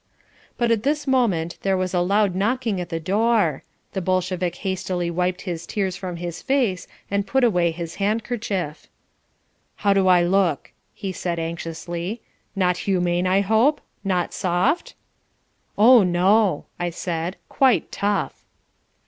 But at this moment there was a loud knocking at the door. The Bolshevik hastily wiped the tears from his face and put away his handkerchief. "How do I look?" he asked anxiously. "Not humane, I hope? Not soft?" "Oh, no," I said, "quite tough."